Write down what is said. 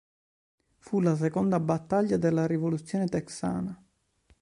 Fu la seconda battaglia della rivoluzione texana.